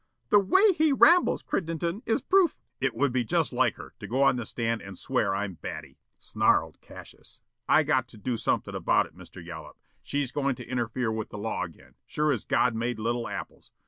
"The way he rambles, Crittenden, is proof " "It would be just like her to go on the stand and swear I'm batty," snarled Cassius. "I got to do something about it, Mr. Yollop. She's goin' to interfere with the law again, sure as God made little apples.